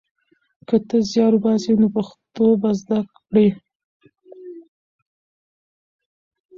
که ته زیار وباسې نو پښتو به زده کړې.